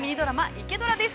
「イケドラ」です。